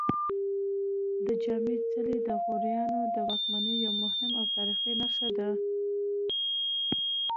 د جام څلی د غوریانو د واکمنۍ یوه مهمه او تاریخي نښه ده